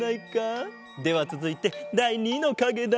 ではつづいてだい２のかげだ。